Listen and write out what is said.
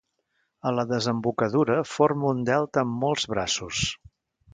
A la desembocadura, forma un delta amb molts braços.